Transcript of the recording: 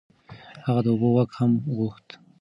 هغه د اوبو واک هم غوښت.